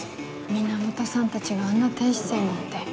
源さんたちがあんな低姿勢なんて。